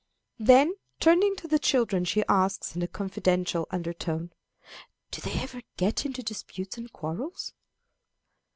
Then, turning to the children, she asks, in a confidential undertone, "Do they ever get into disputes and quarrels?"